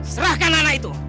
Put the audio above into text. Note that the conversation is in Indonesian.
serahkan anak itu